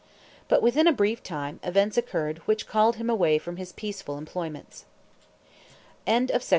But within a brief time, events occurred which called him away from his peaceful employments. VIII.